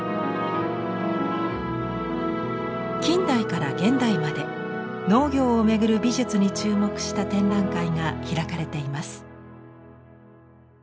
近代から現代まで農業を巡る美術に注目した展覧会が開かれています。